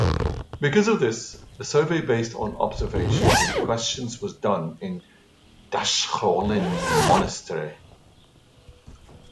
Because of this, the survey based on observation and questions was done in Dashchoilin Monestry.